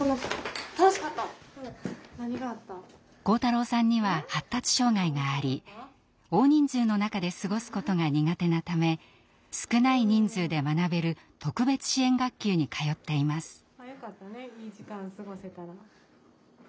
晃太郎さんには発達障害があり大人数の中で過ごすことが苦手なため少ない人数で学べる特別支援学級に通っています。